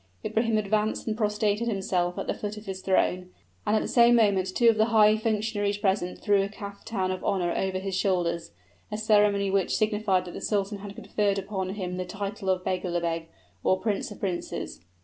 Ibrahim advanced and prostrated himself at the foot of his throne; and at the same moment two of the high functionaries present threw a caftan of honor over his shoulders a ceremony which signified that the sultan had conferred upon him the title of beglerbeg, or "prince of princes."